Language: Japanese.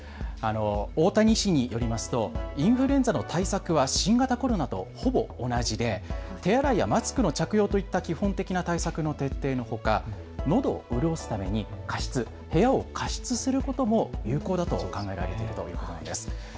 大谷医師によりますとインフルエンザの対策は新型コロナとほぼ同じで手洗いやマスクの着用といった基本的な対策の徹底のほか、のどを潤すために加湿、部屋を加湿することも有効だと考えられているということなんです。